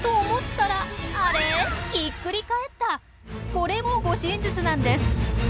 これも護身術なんです。